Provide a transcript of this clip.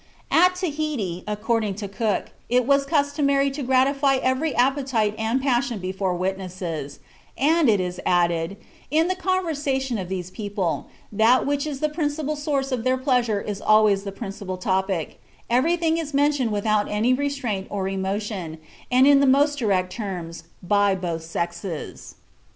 At Tahiti, according to Cook, it was customary to "gratify every appetite and passion before witnesses," and it is added, "in the conversation of these people, that which is the principal source of their pleasure is always the principal topic; everything is mentioned without any restraint or emotion, and in the most direct terms, by both sexes." (Hawkesworth, op. cit., vol ii, p. 45.)